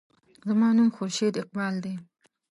زما نوم خورشید اقبال دے.